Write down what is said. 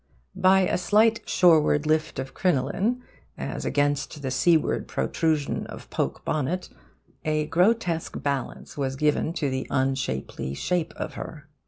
By a slight shoreward lift of crinoline, as against the seaward protrusion of poke bonnet, a grotesque balance was given to the unshapely shape of her.